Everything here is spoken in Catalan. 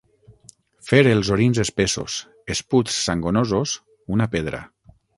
Fer els orins espessos, esputs sangonosos, una pedra.